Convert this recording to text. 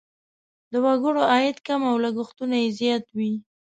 د وګړو عاید کم او لګښتونه یې زیات وي.